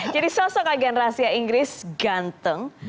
jadi sosok agen rahasia inggris ganteng